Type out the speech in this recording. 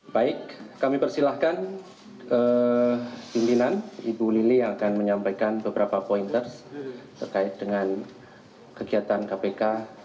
baik kami persilahkan pimpinan ibu lili yang akan menyampaikan beberapa pointers terkait dengan kegiatan kpk